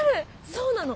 そうなの！